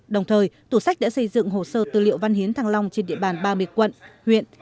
đồng thời tủ sách đã xây dựng hồ sơ tư liệu văn hiến thăng long trên địa bàn ba mươi quận huyện